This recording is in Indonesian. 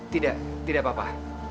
tidak tidak apa apa